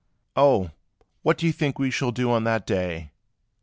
"Oh! what do you think we shall do on that day?"